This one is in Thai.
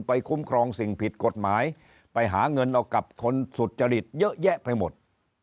คุ้มครองสิ่งผิดกฎหมายไปหาเงินเอากับคนสุจริตเยอะแยะไปหมด